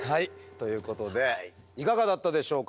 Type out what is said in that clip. ということでいかがだったでしょうか。